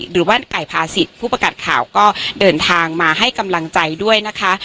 หรือว่าไก่พาศิษย์ผู้ประกาศข่าวก็เดินทางมาให้กำลังใจด้วยนะคะ